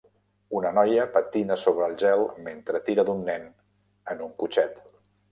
Una noia patina sobre el gel mentre tira d'un nen en un cotxet.